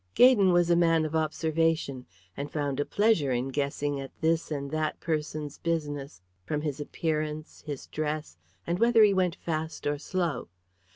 Gaydon was a man of observation, and found a pleasure in guessing at this and that person's business from his appearance, his dress, and whether he went fast or slow.